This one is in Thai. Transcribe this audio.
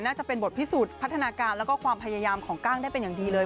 จะเป็นบทพิสูจน์พัฒนาการแล้วก็ความพยายามของกล้างได้เป็นอย่างดีเลย